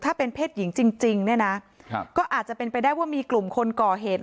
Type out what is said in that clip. ถ้าเป็นเพศหญิงจริงเนี่ยนะก็อาจจะเป็นไปได้ว่ามีกลุ่มคนก่อเหตุ